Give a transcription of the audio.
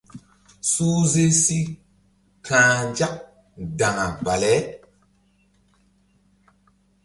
Suhze si ka̧h nzak daŋa bale.